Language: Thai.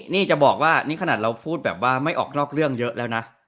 นี่จะบอกว่านี่ขนาดเราพูดแบบว่าไม่ออกนอกเรื่องเยอะแล้วนะ